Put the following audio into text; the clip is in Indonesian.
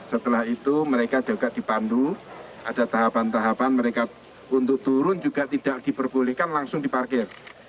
setelah itu mereka juga dipandu ada tahapan tahapan mereka untuk turun juga tidak diperbolehkan langsung diparkir